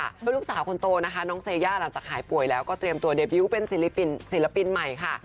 แล้วลูกสาวคนโตนะคะน้องเซย่าหลังจากหายป่วยแล้วก็เตรียมตัวเดบิวต์เป็นศิลปินใหม่ค่ะ